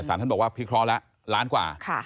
แต่ศาลท่านบอกว่าพิเคราะห์ละล้านกว่า